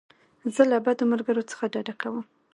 زه له بدو ملګرو څخه ډډه کوم.